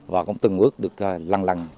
và cũng từng bước được lằn lằn